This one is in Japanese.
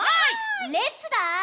レッツだ。